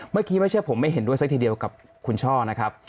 เมื่อกี้ไม่ใช่ผมไม่เห็นด้วยสักทีเดียวกับคุณช่อนะครับ